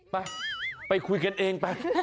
ไปไปคุยกันเองไป